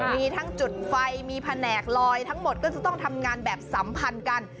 มีทั้งจุดไฟมีแผนกลอยทั้งหมดก็จะต้องทำงานแบบสัมพันธ์กัน